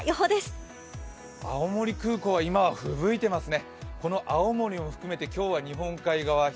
青森空港は今はふぶいていますね。